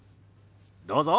どうぞ。